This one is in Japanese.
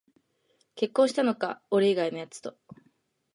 結婚したのか、俺以外のやつと